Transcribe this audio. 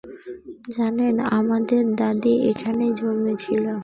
জানেন, আমাদের দাদি এখানেই জন্মেছিল।